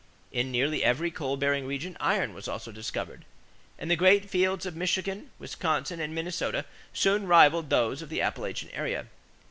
In nearly every coal bearing region, iron was also discovered and the great fields of Michigan, Wisconsin, and Minnesota soon rivaled those of the Appalachian area.